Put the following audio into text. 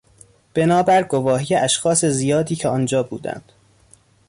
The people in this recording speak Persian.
بنا بر گواهی اشخاص زیادی که آنجا بودند